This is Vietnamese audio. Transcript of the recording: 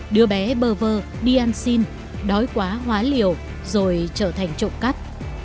đứa bé bơ vơ đi ăn xin đói quá hóa liều rồi trở thành trộm cắp